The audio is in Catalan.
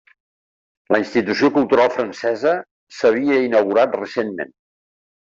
La institució cultural francesa s'havia inaugurat recentment.